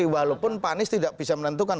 walaupun pak anies tidak bisa menentukan